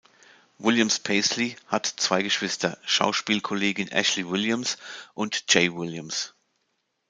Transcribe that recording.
Williams-Paisley hat zwei Geschwister: Schauspielkollegin Ashley Williams und Jay Williams.